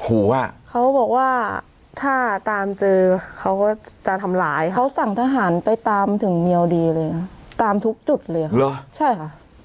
ขอว่าเขาบอกว่าถ้าตามเจอเขาก็จะทำร้ายเขาสั่งทหารไปตามถึงเมียวดีเลยค่ะตามทุกจุดเลยเหรอใช่ค่ะ